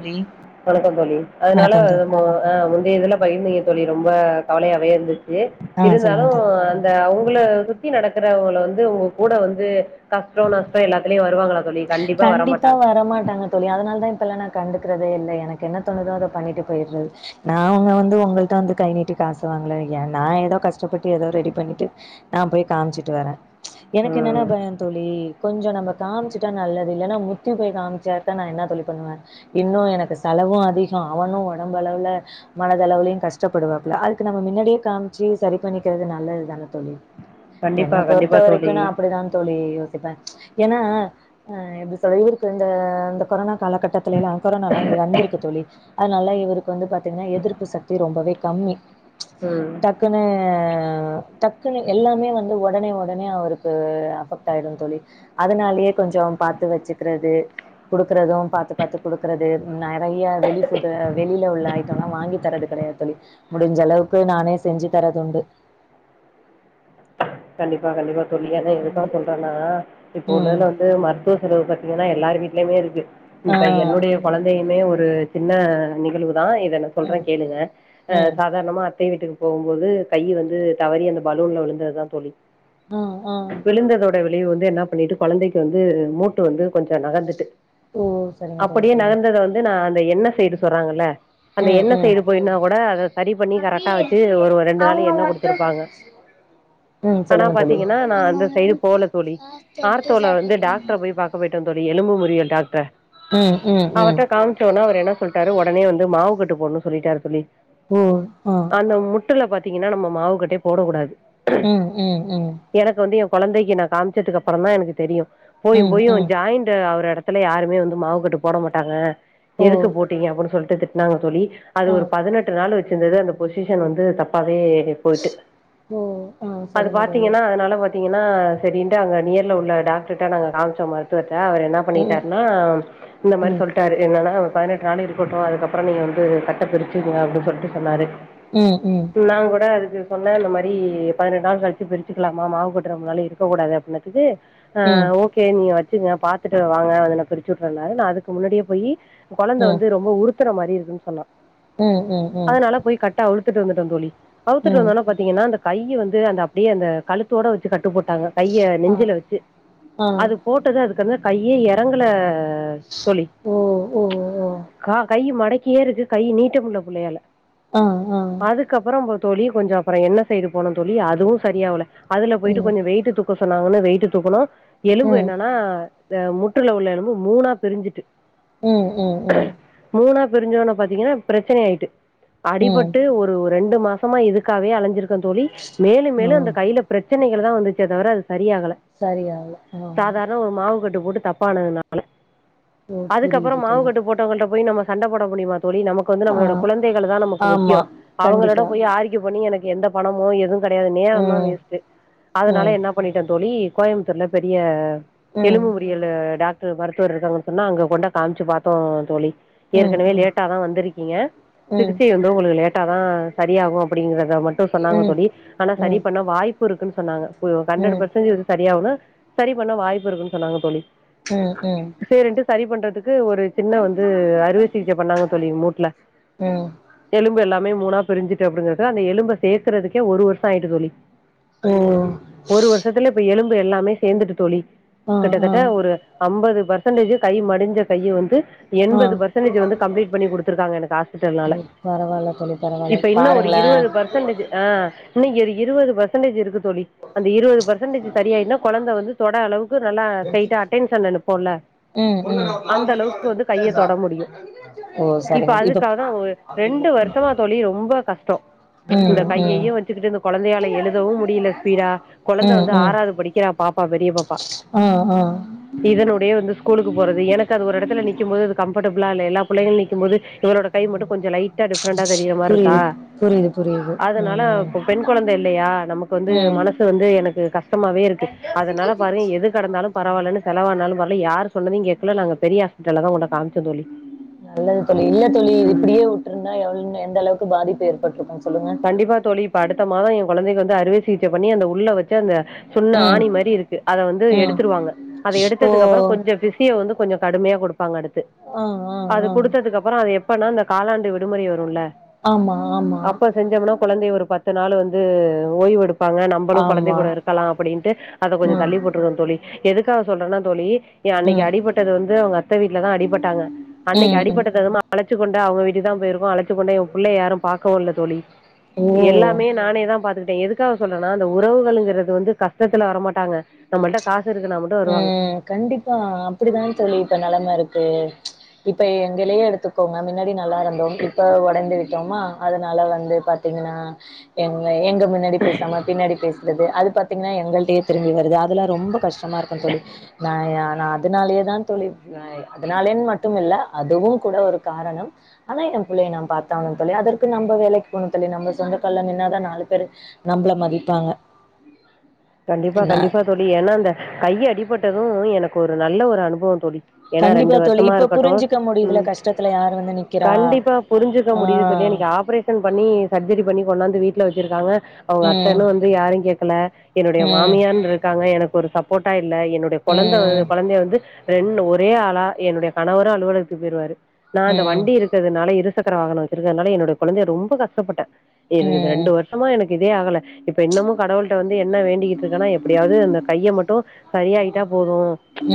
தோழி வணக்கம் தோழி அதனால வணக்கம் அ தோழி அ முந்தைய இதுல பகிர்ந்தீங் தோழி ரொம்ப கவலையாவே இருந்துச்சு ஆ இருந்தாலு சொல்லுங்க தோழி அந்த அவுங் உள்ள சுத்தி நடக்கறவங்க வந்து உங்க கூட வந்து கஷ்டோ நஷ்டோ எல்லாத்துலயு வருவாங்களா தோழி? கண்டிப்பா வரமாட்டாங்க. வரமாட்டாங்க தோழி அதுனால தா இப்பல்லா நா கண்டு க்கிறதே இல்ல எனக்கு என்ன தோணுதோ அத பண்ணிட்டு போயிடுறது நா அங்க வந்து உங்ககிட்ட வந்து கை நீட்டி காசு வாங்ள எ நா ஏதோ கஷ்டப்பட்டு எதோ ரெடி பண்ணிட்டு நா போய் காமிச்சுட்டு வர எனக்கு என்னன்னா ம். பயம் தோழி கொஞ்சோ நம்ம காமிச்சு ட்ட நல்லது இல்லனா முத்தி போய் காமிச்சா நா என்ன தோழி பண்ணுவே இன்னு எனக்கு செலவு அதிகோ அவனு ஒடம்பு அளவுல மனது அளவுலையு கஷ்டப்படுவாப்புல அதுக்கு நம்ம மின்னாடியே காமிச்சு சரி பண்ணிக்கிறது நல்ல ப்படி தான தோழி கண்டிப்பா, என்ன பொறுத்த கண்டிப்பா வரைக்கு தோழி. நா அப்படிதா தோழி யோசிப்பே ஏன்னா அ எப்படி சொல்ற இவருக்கு இந்த இந்த கொரோனா காலகட்டத்தில எல்லா கொரோனாலா இங்க வந்திருக்கு தோழி அதுனால இவருக்கு வந்து பாத்தீங்ன்னா எதிர்ப்பு சக்தி ரொம்பவே கம்மி ம். டக்குன்னு ம் டக்குன்னு எல்லாமே வந்து ஒடனே ஒடனே அவருக்கு அஃபெக்ட் ஆயிடு தோழி அதனாலயே கொஞ்சோ பாத்து வச்சுக்கிறது குடுக்கறதும் பாத்து பாத்து கொடுக்கறது நெறைய வெளி ஃபுட்ட வெளி ல உள்ள ஐட்டம்ல்லா வாங்கி தறது கெடையாது தோழி முடிஞ்சளவுக்கு நானே செஞ்சு தரதுண்டு கண்டிப்பா கண்டிப்பா தோழி ஏன்னா எதுக்காக சொல்றன்னா இப்ப ம் உள்ளதுல வந்து [unintelligible] செலவு பாத்தீங்கன்னா எல்லார் வீட்லயுமே இருக்கு ஆ இப்ப என்னுடைய கொழந்தை மே ஒரு சின்ன நிகழ்வு தா இத நா சொல்ற ம் கேளுங்க ம் சாதாரணமா அத்தை வீட்டுக்கு போகும்போது கை வந்து தவறி அந்த பலூன்ல விழுந்ததுதா தோழி அ அ பிள்ளைக வந்து என்னா பண்ணிட்டு கொழந்தைக்கு வந்து மூட்டு வந்து கொஞ்ச நகந்துட்டு ஓ சரிங்க தோழி அப்டியே சரிங்க நகர்ந்தத வந்து நா அந்த என்ன சேடு சொல்றாங்கல்ல அந்த ம் எண்ண ம் சைடு போய்னா கூட அத சரி பண்ணி கரெக்டா வச்சு ஒரு ரெண்டு நாளு எண்ண கொடுத்துருப்பாங்க ம் ஆனா சொல்லுங்க தோழி பாத்தீங்கன்னா நா அந்த சைடு போல தோழி ஆர்த்தோல வந்து டாக்ட்ர போய் பாக்க போயிட்டோ தோழி எலும்பு முறிவு டாக்ட்ர ம் ம் ம் அவர்ட காம்ச்ச உடனே அவர் என்ன சொல்லிட்டாரு உடனே வந்து மாவு கட்டு போடுனு சொல்லிட்டாரு தோழி ஓ அ ட்டுல பாத்தீங்ன்னா நம்ம மாவுகட்டே போடகூடாது ம் ம் ம் வந்து எ கொழந்தைக்கு நா காம்சடுக்கு அப்புற தா எனக்கு தெரியு போயும் ம் போயு ம் ஜாய்ண்ட்ட அவர எடத்துல யாருமே வந்து மாவுகட்டு போட மாட்டாங்க ஓ எதுக்கு போட்டீங்க அப்டின் சொல்ட்டு திட்னாங்க தோழி அது ஆ ஒரு பதினெட்டு நாள் வச்சிருந்தது அந்த பொசிஷன் வந்து தப்பாவே யே போயிட்டு ஓ ஆ அது சரிங்க தோழி பாத்தீங்கன்னா அதனால பாத்தீங் ன்னா சரின்டு அங்க நியர்ல உள்ள டாக்டர்ட்ட நாங்க காம்சோ மருத்துவ ட அவர் என்னா ம் பண்ணிட்டாருனா இந்த மாரி ம் சொல்டாரு என்னன்னா பதினெட் நாளு இருக்கட்டு அதுக்கப்புறோ நீங்க வந்து கட்ட பிரிச்சுக்குங்க அப்டின் சொல்ட்டு சொன்னாரு ம் ம் நாங் கூட அதுக்கு சொன்ன இந்த மாரி பதனெட் நாள் கழிச்சு பிரிச்சுக்கலாமா மாவுகட்டு ரொம்ப நாளு இருக்கக்கூடாது அப்டினதுக்கு அ ம் ஓகே நீ செரிங்க பாத்துட்டு வாங்க இல்லனா பிரிச்சு உட்றேன நா அதுக்கு முன்னாடியே போயி கொழந்த ம் வந்து ரொம்போ உறு த்துற மாரி இருக்குன் சொன்னா ம் ம் ம் அதனால போயி கட்ட அவிழ்த்துட்டு வந்துட்டோ தோழி அவுத்துட்டு ம் வந்த ஒனே பாத்தீங்கன்னா அந்த கைய்ய வந்து அந்த அப்டியே அந்த கழுத்தோட வச்சு கட் டு போட்டாங்க கைய ஆ நெஞ்சில வெச்சு ஆ அது போட்டது அதுக் கந்த கையே எறங்கல அ தோழி ஓ ஓ ஓ கா கை மடக்கியே இருக்கு கை நீட்ட முள்ள புள்ளயால ஆ ஆ தோழி கொஞ்ச அப்புற எண்ணெ சைடு போனோ தோழி அதுவு சரியாவுல அதுல போய்ட்டு ம் கொஞ்சு வெயிட்டு தூக்க சொன்னாங்கன்னு வெயிட்டு தூக்கணு எலும்பு ம் என்னன்னா த முற்றுல உள்ள எலும்பு மூணா பிரிஞ்சுட்டு ம் ம் ம் பிரிஞ்சோன்ன பாத்தீங்கன்னா ப்ரெச்சனை ஆய்ட்டு ம் அடிபட்டு ஒரு ஒ ரெண்டு மாசமா இதுக்காகவே அலஞ்சிருக்க தோழி மேலு ஆ மேலு அந்த கையில ப்ரெச்சனைகள் தா வந்துச்சே தவிரது சரியாகல சரியாகல ஆ சாதாரண ஒரு மாவு கட் டு போட்டு தப்பானதுனால ஓ புரியுது அதுக்கப்புறம் தோழி மாவுக்கட்டு போட்டவங்கள்ட்ட போய் நம்ம சண்ட போட முடியுமா தோழி நமக்கு வந்து ஆ நம்மளுட குழந்தைகளு தா நமக்கு ஆமா முக்கியோ அவங்களோட கண்டிப்பா போயி ஆர்க்யூ பண்ணி எனக்கு எந்த பணமோ எது கடையாது நேரந்தா ம் வேஸ்ட்டு அதனால ம் என்ன பண்ணிட்டே தோழி கோய்ம்த்தூர்ல பெரிய ம் எலும்பு முறியலு டாக்டரு மருத்துவர் இருக்காங்கன் சொன்னா அங்க கொண்ட காம்ச்சு பாத்தோ தோழி ம் ம் ஏற்கனவே ம் லேட்டா தா வந்திருக்கீங்க ம் ம் சிகிச்சை வந்து உங்களுக்கு லேட்டா தா சரியாகு அப்படிங்கற த மட்டு சொன்னாங்க ம் தோழி ஆனா சரி பண்ண வாய்ப்பு இருக்குன் சொன்னாங்க ஃபு ஹண்ட்ரடு பர்சன்ஜு இது சரியாவுனா சரி பண்ண வாய்ப்பு இருக்குன் சொன்னாங்க தோழி ம் ம் ம் சேரின்ட்டு சரி பண்ற கு ஒரு சின்ன வந்து அறுவை சிகிச்சை பண்ணாங்க தோழி மூட்ல ம் எலும்பு எல்லாமே மூணா பிரிஞ்சுட்டு அப்டிங்கறது அந்த எலும்ப சேர்க்கறதுக்கே ஒரு வருஷோ ஆய்ட்டு தோழி சோ ஒரு வருஷத்துல எலும்பு இப்ப எல்லாமே சேந்துட்டு தோழி ஆ கிட்டத்தட்ட ஒரு அம்பது பர்சன்டேஜு கை மடிஞ்ச கைய வந்து ஆ எண்பது பர்சன்டேஜு வந்து கம்ப்ளீட் பண்ணி குடுத்திருக்காங்க எனக்கு ஹாஸ்பிட்டல்னால ம் பரவால்ல தோழி பரவால்ல இப்ப இன்ன ஒரு பாருங்களே இருவது பர்சன்டேஜு ஆ இன்னு ஒரு இருவது பர்சன்டேஜு இருக்கு தோழி அந்த இருவது பர்சன்டேஜு சரியாய்ன்னா கொழந்த வந்து தொட அளவுக்கு நல்லா ஸ்டெய்ட அடென்ஷன்ல நிப்போல ம் ம் அந்த அளவுக்கு வந்து கைய தொட முடியு ஓ இப்ப சரிங்க அதுக்காக தா ஒ ரெண் ண்டு வருஷமா தோழி ரொம்ப கஷ்டோ ம் ம் வச்சு கிட்டு இந்த கொழந்தையால எழுதவு முடில ஸ்பீடா கொழந்த ம் வந்து ம் ஆறாவ்து படிக்கிறா பாப் பா பெரிய பாப்பா ஆ ஆ இதனொடையே வந்து ஸ்கூலுக்கு போறது எனக்கு அது ஒரு எடத்துல நி க்கும் போது அது கம்பர்டபுளா இல்ல எல்லா புள்ளைகள் நிக்கும் போது இவளோட கை மட்டு கொஞ்சு லை ட்டா டிஃப்ரெண்டா தெரியிர மாருக்கா புரியுது புரியுது புரியுது அதனால ம் இப்ப பெண் குழந்த இல்லையா நமக்கு வந்து ம் மனசு வந்து எனக்கு கஷ்டமாவே இருக்கு அதனால பாரு எது கடந்தா லு பரவால்லனு செலவானாலு பரல யாரு சொன்னதயு கேக்கல நாங்க பெரிய ஹாஸ்பிட்டல்ல தா கொண்டோய் காம்ச்சோ தோழி நல்லது தோழி இல்ல தோழி இது இப்படியே வுட்ருந்தா எவள் எந்த அளவுக்கு பாதிப்பு ஏற்பட்ருக்கு சொல்லுங்க கண்டிப்பா தோழி இப்ப அடுத்த மாதோ எ கொழந்தைக்கு வந்து அறுவை சிகிச்சை பண்ணி அந்த உள்ள வச்ச அந்த சின்ன ம் ஆணி மாரி இருக்கு அத வந்து ம் எடுத்துருவாங்க அத ஓ எடுத்ததுக்கு அப்புறோ கொஞ்சு பிசியோ வந்து கொஞ்சு கடுமையா குடுப்பாங்க அடுத்து ஆ ஆ அது ஆ குடுத்ததுக்கு அப்பறோ அது எப்பனா இந்த காலாண்டு விடுமுறை வருல ஆமா ஆமா செஞ்சோமுனா கொழந்தை ஒரு பத்து நாளு வந்து ஓய்வெடு ப்பாங்க நம்பளு கொழந்தைங்க ஆமா கூட இருக்கலா அப்படின்ட்டு அத கொஞ்சு ம் தள்ளி போட்ருக்கோ தோழி எதுக்காக சொல்றனா தோழி ஏ அன்னைக்கு ம் அடிப்பட்டது வந்து அவேங்க அத்த வீட்லதா அடிப்பட்டாங்க அன்னைக்கு ம் ம் அடிப்பட்டதனமா அழச்சு கொண்டா அவுங்க வீட்டுக்குதா போயிருக்கோ அழைச்சு கொண்டோய் உ புள்ளய யாரு பாக்க வர்ல தோழி ஓ எல்லாமே நானே தா பாத்துகிட் ட எதுக்காக சொல்றனா இந்த உறவுகள்ங்கிறது வந்து கஷ்டத்துல வரமாட்டாங்க நம்மள்ட்ட காசு இருக்குனா மட்டு ம் வருவாங்க ம் கண்டிப்பா அப்படிதா தோழி இப்ப நெலம இரு து ம்ச் இப்ப எங்கலயே எடுத்துக்கோங்க மின்னாடி நல்லா இருந்தோம் இப்ப ஒடைந்து வி எம்மா அதனால வந்து பாத்தீங்கன்னா எங்க எங்க மின்னாடி பேசாம பின்னாடி பேசு றது அது பாத்தீங்கன்னா எங்கள்ட்டயே திரும்பி வருது அதெல்லா ரொம்ப கஷ்டமா இருக்கு தோழி ந ய நா அதனாலயேதா தோழி அதனாலயுன்னு மட்டுமில்ல அதுவு கூட ஒரு காரணம் ஆனா என் பு ள்ளய நாம் பாத்தாகனும் தோழி அதற்கு நம்ம வேலைக்கு போணு தோழி நம்ம சொந்தக்கால்ல நின்னாதா நாலு பேரு நம்பள மதிப்பாங்க கண்டிப்பா என்ன கண்டிப்பா தோழி ஏனா அந்த கை அடிபட்டது எனக்கு ஒரு நல்ல ஒரு அனுபவம் தோழி ஏனா ரெண்டு கண்டிப்பா தோழி வருஷமா இப்ப இருக்கட்டு புரிஞ்சுக்க முடியுதுல ம் கஷ்டத்துல யார் வந்து நிக்கிறா கண்டிப்பா புரிஞ்சுக்க ஆ முடியுது தோழி இன்னைக்கு ஆப்ரேஷன் பன்னி சர்ஜரி பண்ணி கொண்டாந்து வீ ட்ல வெச்சிருக்காங்க அவுங்க அத்த ம் இன்னு வந்து யாரையு கேட்கல என்னுடைய ம் மாமியார்ன்ட்டு இருக்கு க்காங்க எனக்கு ஒரு சப்போர்ட்டா இல்ல என்னுடைய கொழந்த ம் கொழந்தய வந்து ரெண் ஒரே ஆளா என்னுடைய கணவரு அலுவலகத்துக்கு போய்ருவாரு நா இந்த ம் வண்டி இருக்கறதுனால இரு இரு சக்கர வாகனோ வெச்சிறுக்கிறதுனால என்னுடைய கொழந்தய ரொம்ப கஷ்டப்பட்ட இதுக்கு ரெண்டு ம் வருஷமா என இதே ஆகல இப்ப இன்னமு கடவுள்கிட்ட வந்து என்ன வேண்டி இருக்கனா எப்டியாவது அந்த கைய மட்டு சரி ஆயிட்டா போது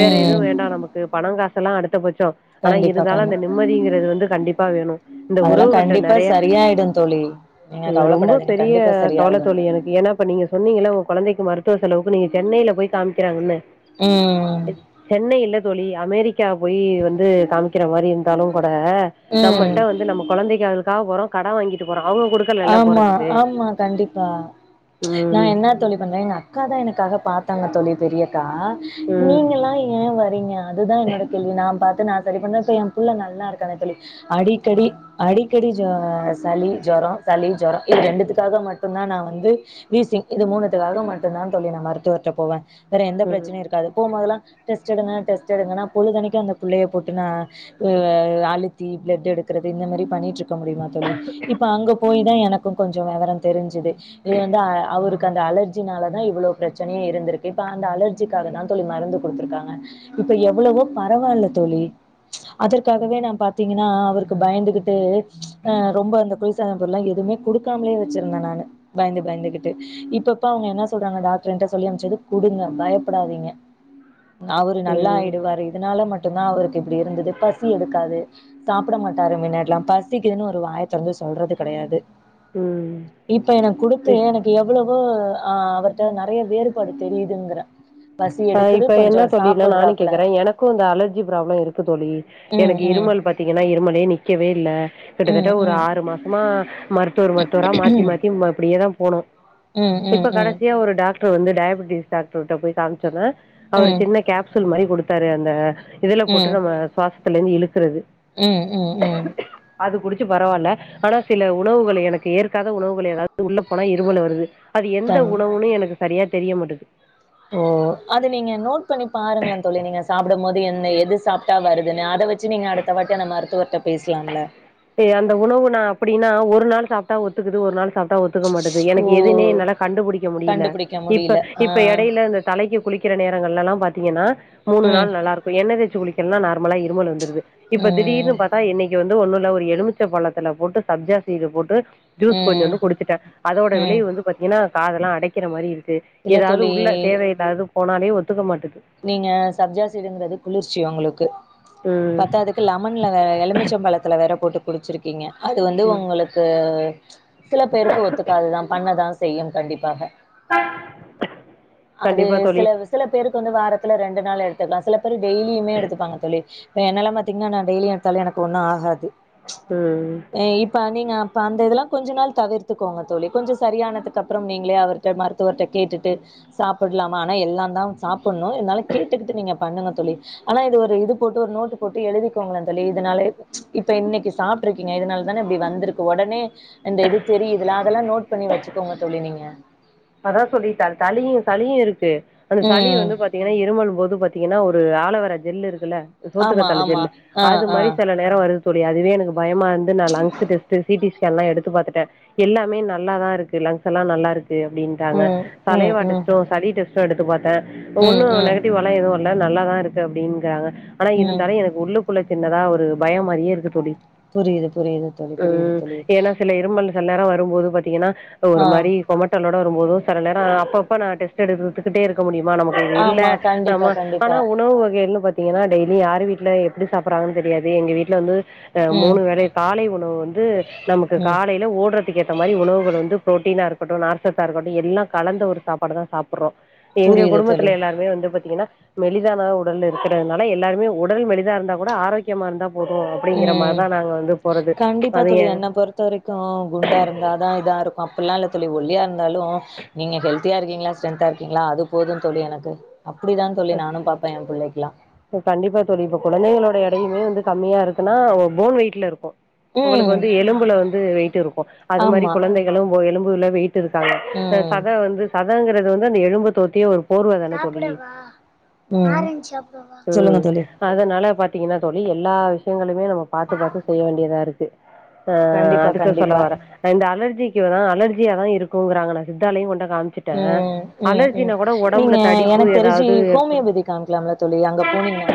வேற எதுவு ம் வேண்டா நமக்கு பணங்கா கலா அடுத்த ச்சோ ஆனா கண்டிப்பா இருந்தாலு கண்டி அந்த நிம்மதிங்கிறது வந்து கண்டிப்பா வேணு இந்த அதெல்லா உறவுகள்ட்ட கண்டிப்பா நெறயா சரியாயிடு தோழி நீங்க இவன் ரொம்ப கவலப்படாதீங்க பெரிய கண்டிப்பா கவலத் சரியாயிடு தோழி எனக்கு ஏனா இப்ப நீங்க சொன்னீங்க இல்ல உன் கொழந்தைக்கு மருத்துவ செலவுக்கு நீங்க சென்னைல போய் காமிக்கிறாங்க என்ன ம் சென்னை இல்ல தோழி அமெரிக்கா போய் வந்து காமிக்கிற மாரி இருந்தாலு ப ம் நம்மள்ட்ட வந்து நம்ம கொழந்தைக்களுக்காக போறோ கடன் வாங்கிட்டு போறான் ஆமா ஆமா கண்டிப்பா நா ம் என்னா தோழி பண்னேன் எங்க அக்காதா எனக்காக பாத்தாங்க தோழி பெரி க்கா ம் நீங்கெல்லா ஏன் வரீங்க அதுதா என்னோட கேள்வி நா பாத் நா சரி பண்ற சொல்லி என் புள்ள நல்லா இருக்கனு தோழி அடிக்கடி அடிக்கடி ஜொ சளி ஜொரோ சளி, ஜொரோ இது ரெண்டுத்துக்காக மட்டுந்தா நா வந்து வீசிங் இது மூணுத்துக்காக மட்டுந்தா தோழி நா மருத்துவர் கிட்ட போவ வேற எந்த ம் பிரச்சனையு இருக்காது போம்போதெல்லா டெஸ்ட் எடுங்க டெஸ்ட்டு எடுங்கனா பொழுதுதனைக்கு அந்த புள்ளய போட்டு நா அழுத்தி பிளட் எடு க்கிறது இந்த மாரி பண்ணிட்டு இருக்க முடியுமா தோழி இப்ப அங்க போய்தா எனக்கு கொஞ்சோ வெவரோ தெரிஞ்சுது இது வந்து அவருக் கு அந்த அலர்ஜினாலதா இவ்ளோ பிரச்சனயு இருந்திருக்கு இப்ப அந்த அலர்ஜிக்காகதாஊ தோழி மருந்து குடுத்துருக்காங்க இப்ப எவ்ளவோ பரவால தோழி அதற்காகவே நான் பாத்தீங்கன்னா அவருக்கு பயந்துகிட்டு அ ரொம்ப அந்த பொய் கண்ட்ரோலா எதுமே குடுக்காமலயே வெச்சிருந்த நானு பயந்து பயந்துகிட்டு இப்பப்ப அவுங்க என்ன சொல்றாங்க டாக்டர் இன்ட் சொல்லி அமிச்சது குடுங்க பயப்படாதீங்க நா ஒரு நல்லா ம் ஆயிடுவாரு இதனால மட்டுந்தா அவருக்கு இப்டி இருந்தது பசி எடுக்காது சாப்ட மாட்டாரு மின்னாடி எல்லா பசிக்குதுன்னு ஒரு வாய தொறந்து சொல்றது கெடயாது ம் இப்ப எனக் குடுத்து எனக்கு எவ்ளோ ப்போ அவர்ட்ட நெறயா வேறுபாடு தெரியுதுங்கிற ஆ இப்ப என்ன தோழி நானு கேக்கறே எனக்கு இந்த அலர்ஜி ப்ராப்ளம் இருக்கு தோழி ம் எனக்கு ம் இருமல் பாத்தீங்கன்னா இருமலே நிக்கவே இல்ல கிட்டத்தட்ட ம் ஒரு ம் ஆறு மாசமா மருத்துவர் மருத்துவரா மாத்தி மாத்தி அப்டியேதா போனோ ம் ம் இப்ப ம் கடைசியா ஒரு டாக்டர் வந்து டயாபிட்டிஸ் டாக்டர்ட்ட போய் காமிச்ச ஒன்ன அவரு ம் சின்ன கேப்சூல் மாரி கொடுத்தாரு அந்த இதுல போட்டு ம் நம்ம சுவாசத்துல இருந்து இழுக்கறது ம் ம் ம் அது குடிச்சு பரவால்ல ஆனா சில உணவுகள் எனக்கு ஏற்காத உணவுகள் எதாவது உள்ள போனா இருமல் வருது அது எந்த தன் உணவுன்னு எனக்கு சரியா தெரிய மாட்டுகுது அது நீங்க நோட் பண்ணி பாருங்களே தோழி நீங்க சாப்பிடும்போது என் எது சாப்ட்டா வருதுன்னு அத வெச்சு நீங்க இனி அடுத்த வாட்டி அந்த மருத்துவர்ட்ட பேசலாம்ல ஏ அந்த உணவு நா அப்படின்னா ஒரு நாள் சாப்பிட்டா ஒத்துக்குது ஒரு நாள் சாப்டா ஒத்துக்க மாட்டது ஓ எனக்கு எதுனே என்னால கண்டுபிடிக்க முடியல கண்டுபிடிக்க இப்ப முடியல ஆ இப்ப எடையில இந்த தலைக்கு குளி க்கிற நேரங்கள்லல்லா பாத்தீங்கன்னா மூணு ம் நாள் நல்லா இருக்கு எண்ண தேச்சு குளிக் களா நார்மலா இருமல் வந்துருது இப்ப ம் திடீர்னு பாத்தா என்னை ரெண்டு ஒண்ணுல ஒரு எலுமிச்சை பழத்துல போட்டு சப்ஜா சீடு போட்டு ஜூஸ் ம் கொஞ்சுண்டு குடிச்சிட்டே அதோட ம் விளைவு வந்து பாத்தீங்கன்னா காதெல்லா அடைக்கற மாரி இருக் இல்ல ஏதாவது தோழி உள்ள தேவ ஏதாவது போனாலே ஒத்துக்க மாட்டேது நீங்க சப்ஜா சீடுங்கிறது குளிர்ச்சி உங்களுக்கு ம் பத்தாததுக்கு லெமன்ல வேற எலுமிச்சம்பழத்துல வேற போட்டு குடிச்சிருக்கீங்க அது வந்து உங்களுக்கு சில பேருக்கு ஒத்துக்காது தா பண்ண தா செய்யு கண்டிப்பாக அது கண்டிப்பா தோழி சில சில பேருக் வாரத்தில ரெண்டு நாள் எடுத்துக்கலா சில பேர் டெய்லியுமே எடுத்துப்பாங்க தோழி இப்ப என்னெல்லா பாத்திங்கன்னா நா டெய்லி எடுத்தாலு எனக்கு ஒன்னு ஆகாது ம் இப்ப நீங்க இப்ப அந்த இதெல்லா கொஞ்ச நாள் தவிர்த்துக்கோங்க தோழி கொஞ்சம் சரியானதுக்கு அப்புறம் நீங்களே அவர்ட்ட மருத்துவர்கிட்ட கேட்டுட்டு சாப்புடலாமா ஆனா எல்லா தா சாப்பிடணு கேட்டுக்கட்டு நீங்க பண்ணுங்கதோழி ஆனா இது ஒரு இது போட்டு ஒரு நோட்டு போட்டு எழுதிக்கோங்கள தோழி இத நாளு ச் இப்ப இன்னைக்கு சாப்பிட்டு இருக்கீங்க இதனால தானே இப்படி வந்திருக்கு ஒடனே இந்த இது தெரியதுல அதெல்லா நோட் பண்ணி வச்சுக்கோங்க தோழி நீங்க அதாசொல்லிட்டா தளியு சளியு இருக்கு அந்த சளி ம் வந்து பாத்தீங்கன்னா இருமலு போது பாத்தீங்கன்னா ஒரு ஆலோ வேற ஜெல் இருக்குல ஆமா சோத்துக்கத்தால ஆமா ஜெல்லு ஆ அது ஆ மாரி சில நேர வருது தோழி அதுவே எனக்கு பயமா இருந்து நான் லங்ஸ் டெஸ்ட் சி டி எல்லா எடுத்து பாத்துட்டே எல்லாமே நல்லாதா இருக்கு லங்ஸ்ல்லா நல்லா இருக்கு அப்பிடுனுட்டாங்க ம் ம் சலைவா ம் டெஸ்டு சளி டெஸ்டு எடுத்து பாத்தே ம் ஒன்னும் ம் நெகிட்டிவலா எது இ எல்லாம் நல்லதா இருக்கு அப்படிக்கிறாங்க ஆனா ம் இருந்தாலு உள்ளக்குள்ள சின்னதா ஒரு பயம் மாரியே இருக்கு தோழி புரியுது புரியுது தோழி புரியுது ம் தோழி ஏன்னா சில இரும்பல்கல்ல நேர போது பாத்தீங்கன்னா ஒரு ஆ மாரி கொமட் டலோடு வரும்போது சில நேர அப்பப்ப நா டெஸ்ட் எடுத்துக்கிட்டே இருக்க முடி மா நமக்கு இல்ல ஆமா கண்டிப்பா நாம கண்டிப்பா ஆனா உணவு வகைகள் பாத் இப்படியே தா டெய்லி யாரு வீட்டுல எப்படி சாப்பறாங்கு தெரியாது எங்க வீட்ல வந்து ம் மூணு வேல காலை உணவு வந்து நமக்கு ம் காலையில ஓடுறதுக்கு ஏத்த மாரி உணவுகள் வந்து புரோட்டீனா இருக் ட்டும் நார் சத்தா இருக்கட்டு எல்லா கலந்த ஒரு சாப்பாடு தா சாப்பிடுறோ எங்க புரியுது குடும்பத்தி தோழி எல்லாருமே வந்து பாத்தீங்கன்னா மெளிதான உடல் இருக்கறதுனால எல்லாருமே உடல் மெலிதா இருந்தா கூட ஆரோக்கியமா இருந்தா போது அப்படிங்கிற ம் மாரிதா நாங்க வந்து போறது கண்டிப்பா அது தோழி ஏ என்ன பொறுத்த வரைக்கு குண்டா இருந்தாதா இதா இருக் அப்படிலா இல்ல தோழி ஒல்லியா இருந்தாலு நீங்க ஹெல்தியா இருக்கீங்களா ஸ்ட்ரென்தா இருக்கீங்களா அது போதும் தோழி எனக்கு அப்டிதா தோழி நானும் பாப்பேன் என் பிள்ளைக்கல்லாம் கண்டிப்பா தோழி இப்ப குழந்தைகளோட எடையுமே வந்து கம்மியாருக்குன்னா போன் வெயிட்ல இருக்கு உங்களுக்கு ம் வந்து எலும்புல வந்து வெயிட்டு இருக்கு அது மாரி ஆமா குழந்தைகளும் போ எலும்புல வெயிட் இருக்காங்க ம் சதை வந்து சதைங்கிறது வந்து அந்த எழும்ப ம் சொல்லுங்க ம் தோழி அதனால பாத்தீங்கன்னா தோழி எல்லா விஷயங்களுமே நம்ம பாத்து பாத்து செய்ய வேண்டியதா இருக்கு ஆ கண்டிப்பா அதுக்கு சொல்ல கண்டிப்பா வரேன் இந்த அலர்ஜி அலர்ஜியா தா இருக்கும்ங்கிறாங்க நா சித்தாலயு கொண்டா ம் ம் ம் ஒடம்புல நீங்க தடிப்பு எனக்கு தெரிஞ்சு ஏதாவது ஏற்படு ஹோமியோபதி காமிக்கலாம்ல தோழி அங்க போனீங்ன்னா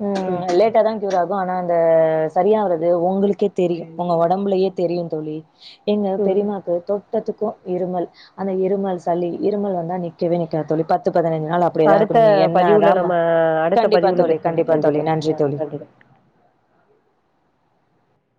உ ம் லேட்டா தான் கியூர் ஆகும் ஆனா அ சரியாகறது உங்களுக்கே தெரியு உங்க உடம்புலயே தெரியு தோழி எங்க ம் பெரியமாக்கு தொட்டத்துக்கு இருமல் அந்த இரு மல் சளி இருமல் வந்தா நிக்கவே நிக்காது தோழி பத்து பதினஞ்சு நாள் அப்டியேதா அடுத்த இருக்கு நீங்க என்னதா பதிவுல ம நம்ம அடுத்த பதிவுல பேசோ நன்றி தோழி நன்றி